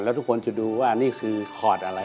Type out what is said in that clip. แล้วทุกคนจะดูว่านี่คือคอร์ดอะไร